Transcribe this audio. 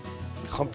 完璧。